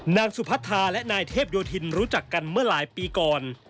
นางสุพัทธาและนายเทพโยธินรู้จักกันเมื่อหลายปีก่อน